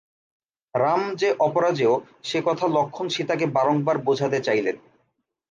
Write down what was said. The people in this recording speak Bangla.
রাম যে অপরাজেয় সে কথা লক্ষ্মণ সীতাকে বারংবার বোঝাতে চাইলেন।